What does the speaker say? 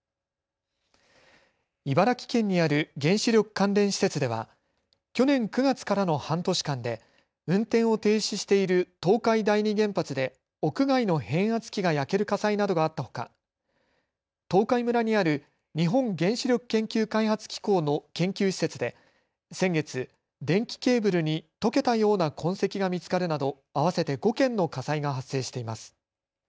茨城県にある原子力関連施設では去年９月からの半年間で運転を停止している東海第二原発で屋外の変圧器が焼ける火災などがあったほか、東海村にある日本原子力研究開発機構の研究施設で先月、電気ケーブルに溶けたような痕跡が見つかるなど合わせて５件の火災が発生しています。